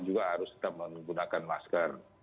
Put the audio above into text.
juga harus tetap menggunakan masker